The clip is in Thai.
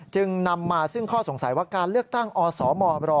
จึงนำมาซึ่งข้อสงสัยว่าการเลือกตั้งอสมร